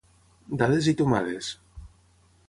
Dades i tomades.